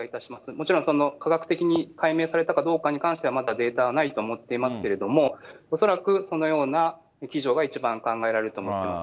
もちろん、科学的に解明されたかどうかに関しては、まだデータはないと思っていますけれども、恐らくそのようなが考えられると思います。